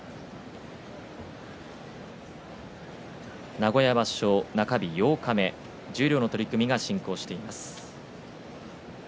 名古屋場所中日八日目十両の取組が進行しています。